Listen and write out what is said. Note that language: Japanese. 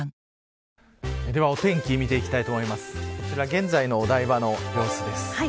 現在のお台場の様子です。